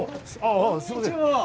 あこんにちは。